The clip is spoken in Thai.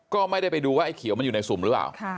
ก็ไม่ได้ไปดูว่าไอเขียวมันอยู่ในสุ่มหรือเปล่า